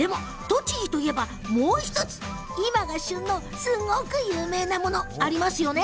栃木といえばもう１つ今が旬のすごく有名なものありますよね。